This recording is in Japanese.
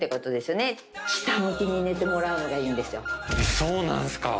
そうなんすか！